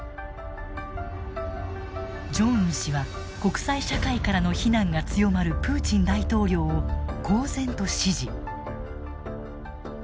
ジョンウン氏は国際社会からの非難が強まるプーチン大統領を公然と支持。